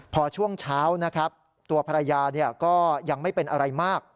พอช่วงเช้านะครับตัวภรรยาก็ยังไม่เป็นอะไรมาก